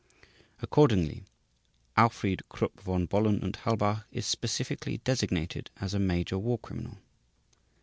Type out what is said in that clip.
Accordingly, Alfried KRUPP VON BOHLEN UND HALBACH is specifically designated as a major war criminal.